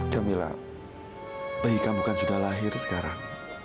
jamila bayi kamu kan sudah lahir sekarang